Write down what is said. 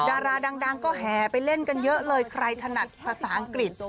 ดาราดังก็แห่ไปเล่นกันเยอะเลยใครถนัดภาษาอังกฤษ